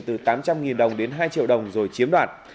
từ tám trăm linh đồng đến hai triệu đồng rồi chiếm đoạt